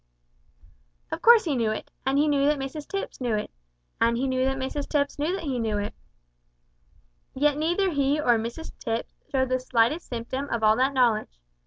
Of course he knew it, and he knew that Mrs Tipps knew it, and he knew that Mrs Tipps knew that he knew it, yet neither he nor Mrs Tipps showed the slightest symptom of all that knowledge.